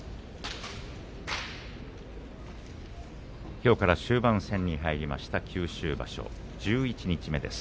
きょうから終盤戦に入りました九州場所十一日目です。